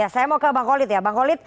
saya mau ke bang kolit ya